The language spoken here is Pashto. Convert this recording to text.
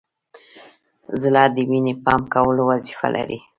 زړه د وینې پمپ کولو وظیفه لري.